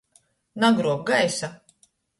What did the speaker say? Nagruob gaisa!